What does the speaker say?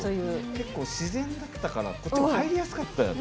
結構自然だったからこっちも入りやすかったよね。